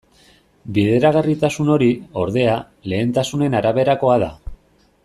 Bideragarritasun hori, ordea, lehentasunen araberakoa da.